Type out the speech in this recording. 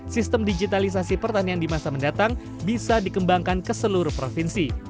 sistem digitalisasi pertanian di masa mendatang bisa dikembangkan ke seluruh provinsi